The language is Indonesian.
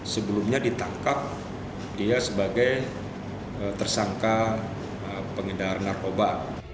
sebelumnya ditangkap dia sebagai tersangka pengedar narkoba